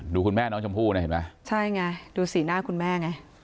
คุณแม่น้องชมพู่นะเห็นไหมใช่ไงดูสีหน้าคุณแม่ไง